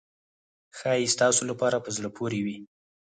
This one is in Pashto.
ښایي ستاسو لپاره په زړه پورې وي.